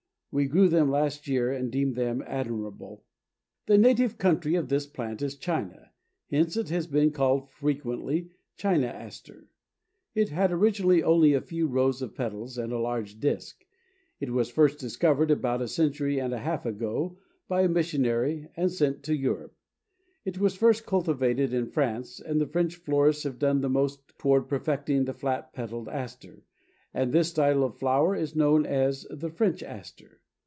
We grew them last year and deem them admirable. The native country of this plant is China, hence it has been called frequently China Aster. It had originally only a few rows of petals and a large disk. It was first discovered about a century and a half ago, by a missionary, and sent to Europe. It was first cultivated in France, and the French florists have done the most toward perfecting the flat petaled Aster, and this style of flower is known as the French Aster.